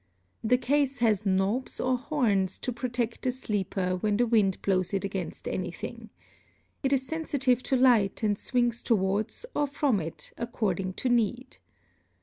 The case has knobs or horns to protect the sleeper when the wind blows it against anything. It is sensitive to light, and swings towards or from it, according to need.